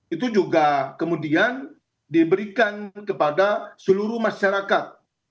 itu juga kemudian diberikan kepada seluruh masyarakat